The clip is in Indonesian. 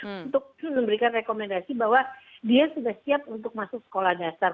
untuk memberikan rekomendasi bahwa dia sudah siap untuk masuk sekolah dasar